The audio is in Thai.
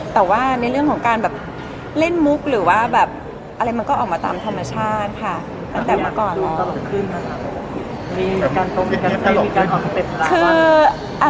ถ้าเราถามถามถามถามถามแหมาแสมคนใดกันนะคะ